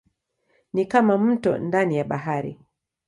Ni kama mto ndani ya bahari.